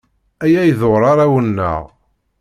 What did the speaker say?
Aya iḍurr arraw-nneɣ.